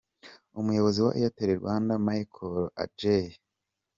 Umuyobozi wa Airtel Rwanda Michael Adjei.